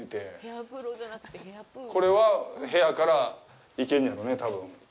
これは部屋から行けんねやろね、たぶん。